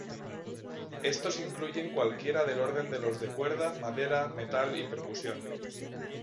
Estos incluyen cual quiera del orden de los de cuerda, madera, metal y percusión.